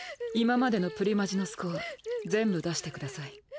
今までのプリマジのスコア全部出してください。